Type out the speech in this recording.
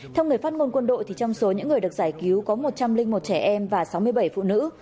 theo người phát ngôn quân đội trong số những người được giải cứu có một trăm linh một trẻ em và sáu mươi bảy phụ nữ